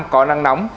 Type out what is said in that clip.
có nắng nóng